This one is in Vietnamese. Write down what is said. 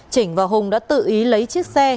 chỉnh và hùng đã tự ý lấy chiếc xe